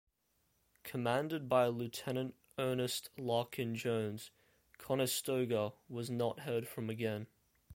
Commanded by Lieutenant Ernest Larkin Jones, "Conestoga" was not heard from again.